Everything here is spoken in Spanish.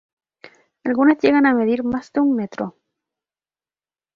Algunas llegan a medir más de un metro.